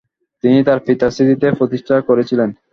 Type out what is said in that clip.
তিনি তার পিতার স্মৃতিতে প্রতিষ্ঠা করেছিলেন।